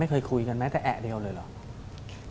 เคยคุยกันแม้แต่แอะเดียวเลยเหรอ